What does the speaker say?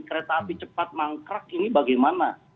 kereta api cepat mangkrak ini bagaimana